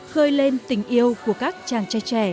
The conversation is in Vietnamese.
khơi lên tình yêu của các chàng trai trẻ